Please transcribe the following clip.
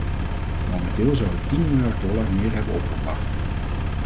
Momenteel zou het tien miljard dollar meer hebben opgebracht.